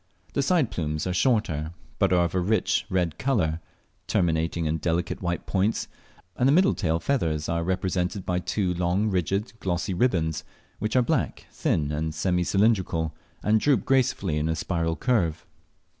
The side plumes are shorter, but are of a rich red colour, terminating in delicate white points, and the middle tail feathers are represented by two long rigid glossy ribands, which are black, thin, and semi cylindrical, and droop gracefully in a spiral curve.